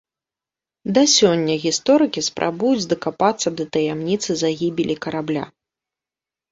Да сёння гісторыкі спрабуюць дакапацца да таямніцы загібелі карабля.